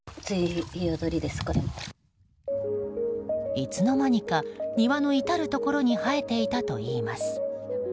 いつの間にか庭の至るところに生えていたといいます。